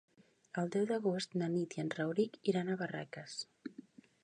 El deu d'agost na Nit i en Rauric iran a Barraques.